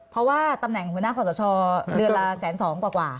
เพราะว่าตำแหน่งของคุณหน้าขอสชเดือนละ๑๒๐๐๐๐กว่ากว่า